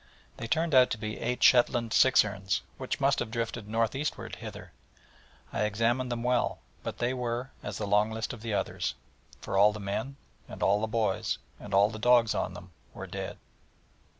They turned out to be eight Shetland sixerns, which must have drifted north eastward hither. I examined them well, but they were as the long list of the others: for all the men, and all the boys, and all the dogs on them were dead.